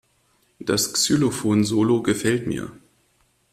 Das Xylophon-Solo gefällt mir.